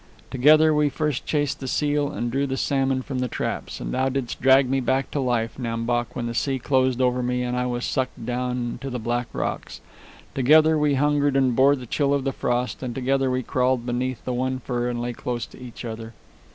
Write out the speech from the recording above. "Together we first chased the seal and drew the salmon from the traps. And thou didst drag me back to life, Nam Bok, when the sea closed over me and I was sucked down to the black rocks. Together we hungered and bore the chill of the frost, and together we crawled beneath the one fur and lay close to each other.